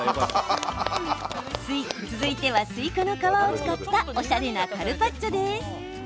続いては、スイカの皮を使ったおしゃれなカルパッチョです。